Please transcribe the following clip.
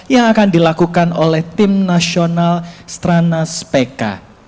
yang akan dilakukan oleh tim nasional stranas pk